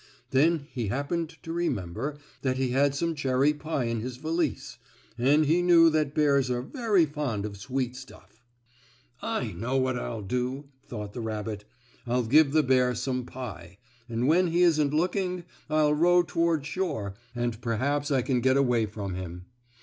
Then he happened to remember that he had some cherry pie in his valise, and he knew that bears are very fond of sweet stuff. "I know what I'll do," thought the rabbit. "I'll give the bear some pie, and when he isn't looking I'll row toward shore, and perhaps I can get away from him."